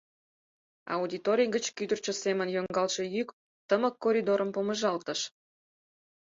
Аудиторий гыч кӱдырчӧ семын йоҥгалтше йӱк тымык коридорым помыжалтыш.